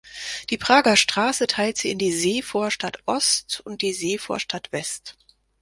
Die Prager Straße teilt sie in die "Seevorstadt Ost" und die "Seevorstadt West".